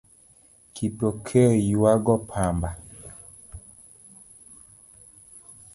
Kipokeo ywago pamba?